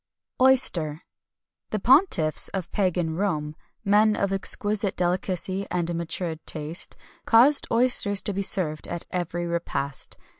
[XXI 218] OYSTER. The pontiffs of pagan Rome, men of exquisite delicacy and matured taste, caused oysters to be served at every repast.